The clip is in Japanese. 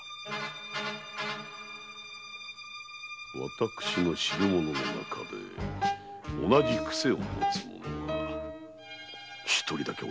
私の知る者の中で同じ癖を持つ者が一人だけおります。